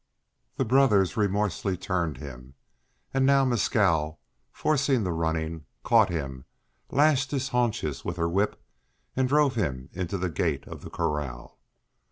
The brothers remorselessly turned him, and now Mescal, forcing the running, caught him, lashed his haunches with her whip, and drove him into the gate of the corral.